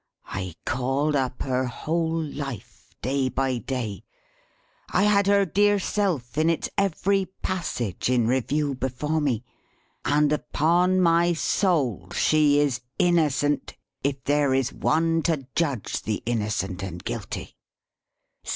I called up her whole life, day by day; I had her dear self, in its every passage, in review before me. And upon my soul she is innocent, if there is One to judge the innocent and guilty!"